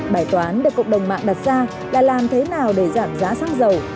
bài toán được cộng đồng mạng đặt ra là làm thế nào để giảm giá xăng dầu